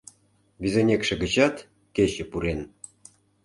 Визынекше гычат кече пурен.